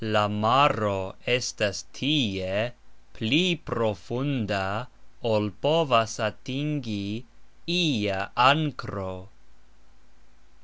La maro estas tie pli profunda, ol povas atingi ia ankro.